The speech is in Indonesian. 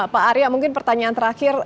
pak arya mungkin pertanyaan terakhir